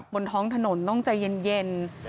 บนท้องถนนต้องใจเย็น